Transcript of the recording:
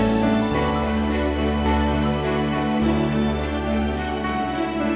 bukannya dijemput aku